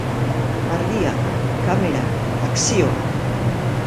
Argiak, kamerak, akzioa!